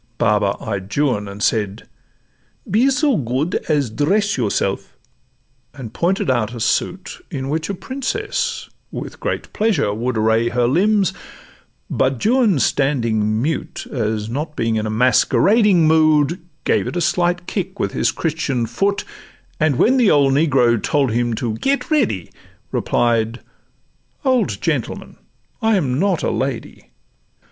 Baba eyed Juan, and said, 'Be so good As dress yourself ' and pointed out a suit In which a Princess with great pleasure would Array her limbs; but Juan standing mute, As not being in a masquerading mood, Gave it a slight kick with his Christian foot; And when the old negro told him to 'Get ready,' Replied, 'Old gentleman, I'm not a lady.